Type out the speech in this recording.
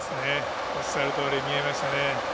おっしゃるとおり見えましたね。